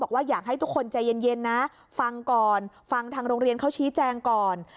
อยากให้ทุกคนใจเย็นนะฟังก่อนฟังทางโรงเรียนเขาชี้แจงก่อน